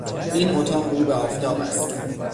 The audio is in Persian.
این اتاق رو به آفتاب است.